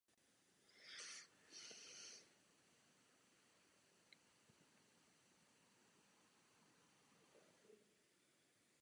Pumy byly poháněné raketovým motorem na tuhé pohonné látky.